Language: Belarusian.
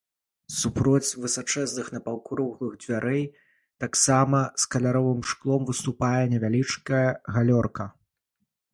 Супроць высачэзных напаўкруглых дзвярэй, таксама з каляровым шклом, выступае невялічкая галёрка.